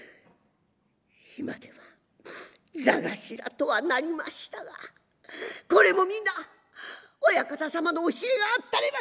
今では座頭とはなりましたがこれも皆親方様の教えがあったればこそ。